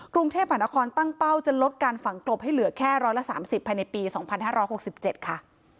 กรุงเทพหานครตั้งเป้าจะลดการฝังกลบให้เหลือแค่๑๓๐ภายในปี๒๕๖๗ค่ะ